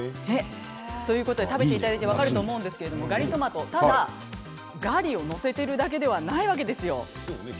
食べていただいて分かると思うんですがガリトマトはただガリを載せているだけじゃないんです。